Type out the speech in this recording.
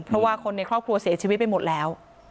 เพราะว่าคนในครอบครัวเสียชีวิตไปหมดแล้ว